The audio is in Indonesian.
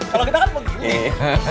kalau kita kan begini